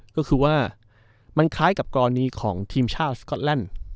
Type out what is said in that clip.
ก็คือว่ามันคล้ายกับกรณีของทีมชาติสก๊อตแลนด์